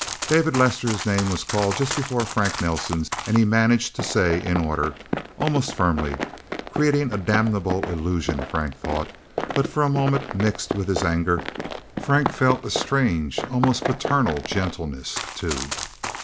David Lester's name was called just before Frank Nelsen's, and he managed to say, "In order!" almost firmly, creating a damnable illusion, Frank thought. But for a moment, mixed with his anger, Frank felt a strange, almost paternal gentleness, too.